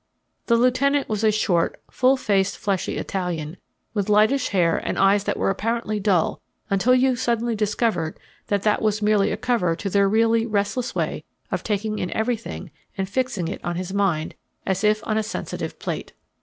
The lieutenant was a short, full faced fleshy Italian, with lightish hair and eyes that were apparently dull, until you suddenly discovered that that was merely a cover to their really restless way of taking in everything and fixing it on his mind, as if on a sensitive plate.